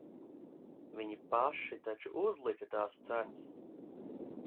Viņi paši taču uzlika tās cenas.